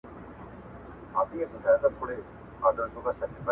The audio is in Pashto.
د پښتو د اوس مهال شعر